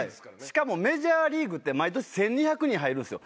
しかもメジャーリーグって毎年１２００人入るんですよ。